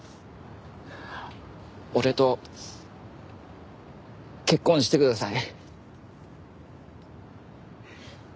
俺と結婚してください。